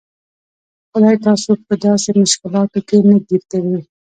خدای تاسو په داسې مشکلاتو کې نه ګیر کوي.